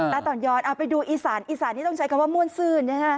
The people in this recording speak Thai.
ตอนย้อนเอาไปดูอีสานอีสานนี่ต้องใช้คำว่าม่วนซื่นนะฮะ